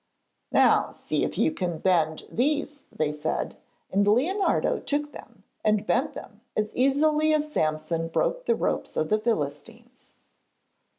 'Now see if you can bend these,' they said, and Leonardo took them and bent them as easily as Samson broke the ropes of the Philistines.